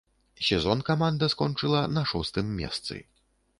Сезон каманда скончыла на шостым месцы.